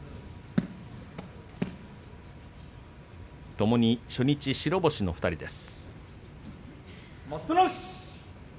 ともに初日白星の２人です。